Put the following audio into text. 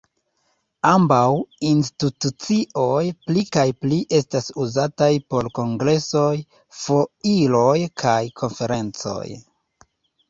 Ambaŭ institucioj pli kaj pli estas uzataj por kongresoj, foiroj kaj konferencoj.